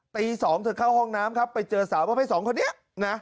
ตี๒เธอเข้าห้องน้ำครับไปเจอสาวประเภท๒คนนี้นะ